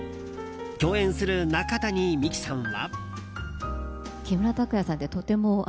共演する中谷美紀さんは。